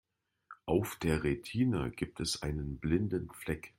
Auf der Retina gibt es einen blinden Fleck.